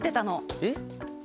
えっ？